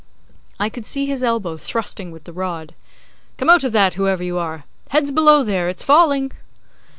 I could see his elbow thrusting with the rod. 'Come out of that, whoever you are! Heads below there! It's falling.